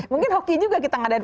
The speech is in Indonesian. mungkin hoki juga kita ngadain